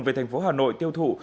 về thành phố hà nội tiêu thụ